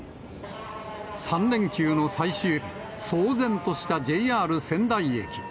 ３連休の最終日、騒然としたＪＲ仙台駅。